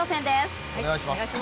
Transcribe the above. お願いします。